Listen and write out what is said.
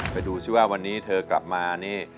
ไปดูซิว่าวันนี้เธอกลับมานี่